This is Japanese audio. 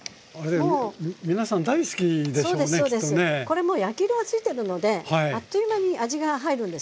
これもう焼き色がついてるのであっという間に味が入るんですね。